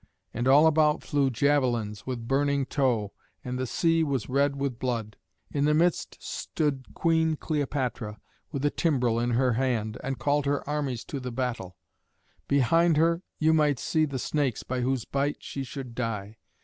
And all about flew javelins with burning tow, and the sea was red with blood. In the midst stood Queen Cleopatra, with a timbrel in her hand, and called her armies to the battle: behind her you might see the snakes by whose bite she should die.